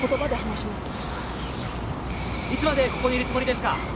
いつまでここにいるつもりですか？